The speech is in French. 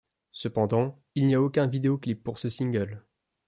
Cependant, il n'y aucun vidéoclip pour ce single.